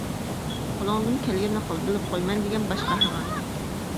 -قولۇڭدىن كەلگىنىنى قىل، بىلىپ قوي مەن دېگەن باش قەھرىمان.